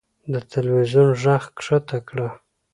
د تلوېزون ږغ کښته کړه .